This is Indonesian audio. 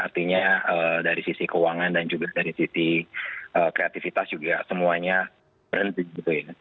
artinya dari sisi keuangan dan juga dari sisi kreativitas juga semuanya berhenti gitu ya